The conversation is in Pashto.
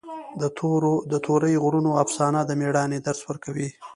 د تورې غرونو افسانه د مېړانې درس ورکوي.